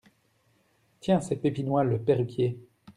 Tiens ! c’est Pépinois, le perruquier…